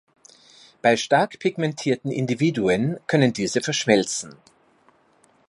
Bei stark pigmentierten Individuen können diese verschmelzen.